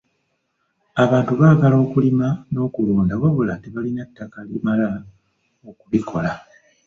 Abantu baagala okulima n'okulunda wabula tebalina ttaka limala okubikola.